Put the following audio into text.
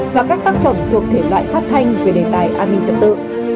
và các tác phẩm thuộc thể loại phát thanh về đề tài an ninh trật tự